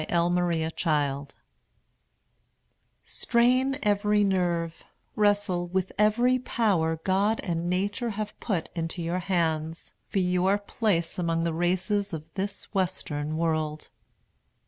Strain every nerve, wrestle with every power God and nature have put into your hands, for your place among the races of this Western world.